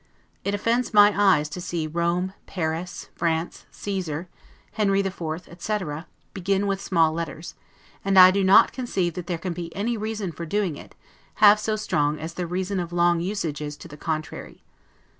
It offends my eyes to see rome, paris, france, Caesar, I henry the fourth, etc., begin with small letters; and I do not conceive that there can be any reason for doing it, half so strong as the reason of long usage is to the contrary.